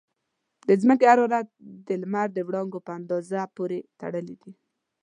د ځمکې حرارت د لمر د وړانګو په اندازه پورې تړلی دی.